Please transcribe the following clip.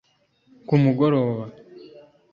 kumugoroba